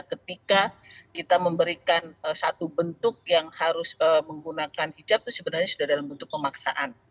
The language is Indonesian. ketika kita memberikan satu bentuk yang harus menggunakan hijab itu sebenarnya sudah dalam bentuk pemaksaan